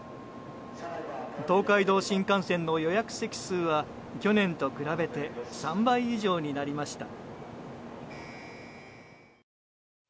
東海道新幹線の予約席数は去年と比べて３倍以上になりました。